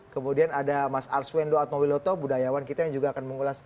kemudian ada mas arswendo atmowiloto budayawan kita yang juga akan mengulas